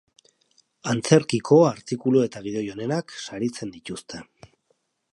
Antzerkiko artikulu eta gidoi onenak saritzen dituzte.